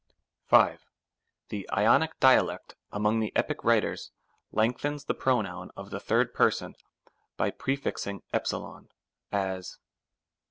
5. The Ionic dialect among the Epic writers length ens the pronoun of the 3rd person by prefixing e ; as, G.